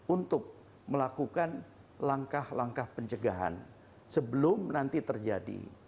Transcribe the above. untuk melakukan langkah langkah pencegahan sebelum nanti terjadi